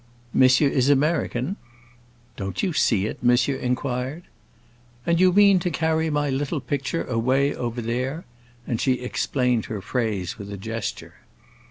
"Monsieur is American?" "Don't you see it?" monsieur inquired. "And you mean to carry my little picture away over there?" and she explained her phrase with a gesture.